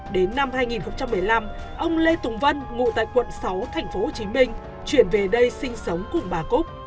đến năm hai nghìn một mươi năm ông lê tùng vân ngụ tại quận sáu tp hcm chuyển về đây sinh sống cùng bà cúc